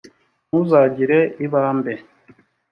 ntuzagire ibambe: